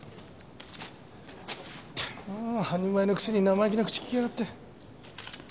ったくもう半人前のくせに生意気な口利きやがって。